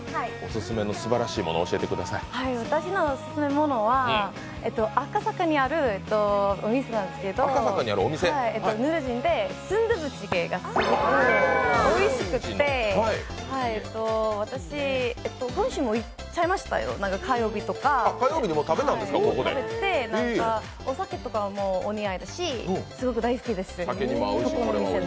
私のオススメのものは赤坂にあるお店なんですけどヌルンジの純豆腐チゲがすごくおいしくて私、今週も行っちゃいましたよ、火曜日とか、食べて、お酒とかにも似合うし、すごく大好きです。